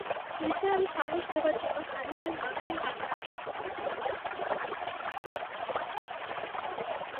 নিসার আলি সাহস দেবার জন্যে হানিফার মাথায় হাত রাখলেন।